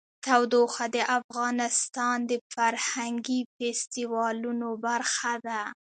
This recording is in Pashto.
تودوخه د افغانستان د فرهنګي فستیوالونو برخه ده.